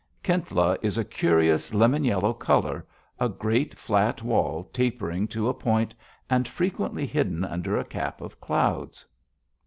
Kintla is a curious lemon yellow color, a great, flat wall tapering to a point and frequently hidden under a cap of clouds.